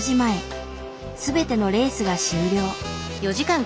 すべてのレースが終了。